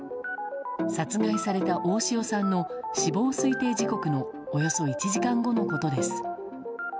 殺害された大塩さんの死亡推定時刻のおよそ１時間後のことです。